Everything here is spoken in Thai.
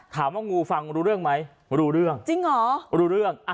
ถามว่างูฟังรู้เรื่องไหมว่ารู้เรื่อง